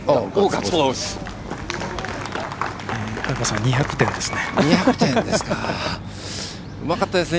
羽川さん２００点ですね。